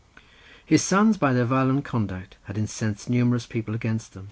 His sons by their violent conduct had incensed numerous people against them.